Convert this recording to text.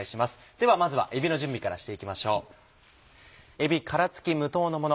ではまずはえびの準備からしていきましょう。